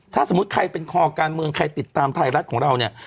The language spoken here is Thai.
ถ้าสมมุติใครเป็นคอการเมืองใครติดตามไทยรัฐของเราเนี่ย